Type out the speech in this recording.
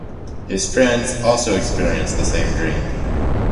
His friends also experience the same dream.